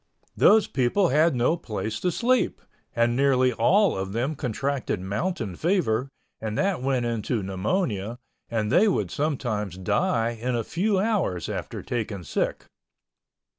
Those people had no place to sleep—and nearly all of them contracted mountain fever and that went into pneumonia and they would sometimes die in a few hours after taking sick.